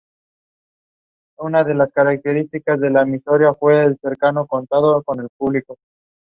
They arrive at an abandoned house but discover that the money is not there.